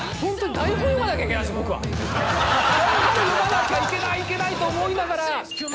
台本読まなきゃいけないいけないと思いながら。